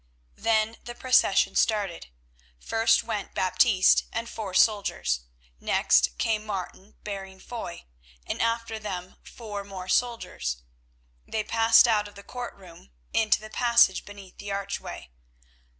Then the procession started. First went Baptiste and four soldiers, next came Martin bearing Foy, and after them four more soldiers. They passed out of the courtroom into the passage beneath the archway.